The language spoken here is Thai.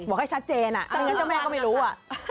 บอกให้ชัดเจนถ้าอย่างนั้นเจ้าแม่ก็ไม่รู้อ่ะ